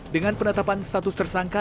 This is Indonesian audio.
dengan penetapan status tersangka